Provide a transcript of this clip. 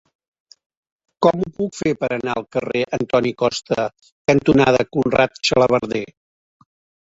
Com ho puc fer per anar al carrer Antoni Costa cantonada Conrad Xalabarder?